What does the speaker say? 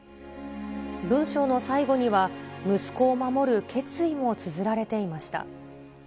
文章の最後には、息子を守る決意もつづられていました。